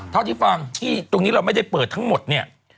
เท่าที่ฟังที่ตรงนี้เราไม่ได้เปิดทั้งหมดเนี่ย